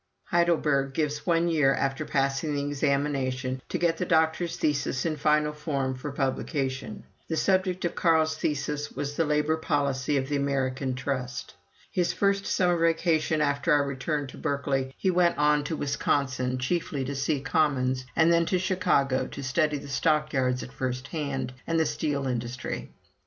Heidelberg gives one year after passing the examination to get the doctor's thesis in final form for publication. The subject of Carl's thesis was "The Labor Policy of the American Trust." His first summer vacation after our return to Berkeley, he went on to Wisconsin, chiefly to see Commons, and then to Chicago, to study the stockyards at first hand, and the steel industry.